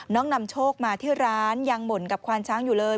นำโชคมาที่ร้านยังบ่นกับควานช้างอยู่เลย